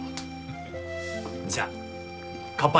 じゃあ乾杯！